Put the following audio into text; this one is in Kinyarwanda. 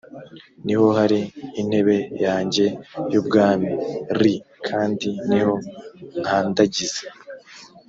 ni ho hari intebe yanjye y ubwami r kandi ni ho nkandagiza